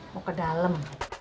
mau ke dalam